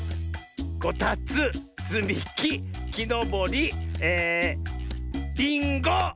「こたつつみききのぼり」え「りんご」！